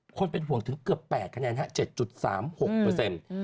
คนเป็นห่วงถึงเกือบ๘คะแนน